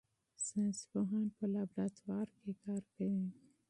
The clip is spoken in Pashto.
ساینس پوهان په لابراتوار کې کار کوي.